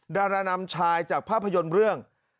ดารานำชายจากภาพยนตร์เรื่อง